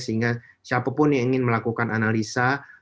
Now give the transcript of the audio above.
sehingga siapapun yang ingin melakukan analisa